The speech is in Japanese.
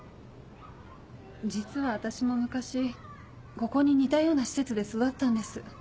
実は私も昔ここに似たような施設で育ったんです。